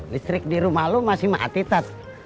listrik di rumah lo masih mati tat